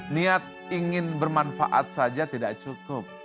niat ingin bermanfaat saja tidak cukup